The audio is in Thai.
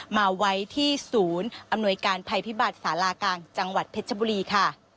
มาไว้ที่ศูนย์อำนวยการภัยพิบัติศาลากลางจังหวัดเพชรบุรีค่ะ